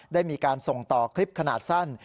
ได้มีการส่งต่อคลิปขนาดสั้น